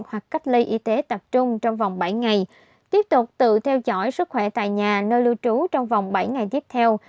hoặc cách ly y tế tập trung trong vòng bảy ngày tiếp tục tự theo dõi sức khỏe tại nhà nơi lưu trú trong vòng bảy ngày tiếp theo